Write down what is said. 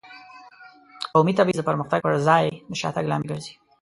قومي تبعیض د پرمختګ په ځای د شاتګ لامل ګرځي.